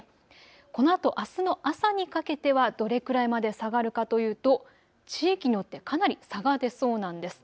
このあとあすの朝にかけてはどれくらいまで下がるかというと地域によってかなり差が出そうなんです。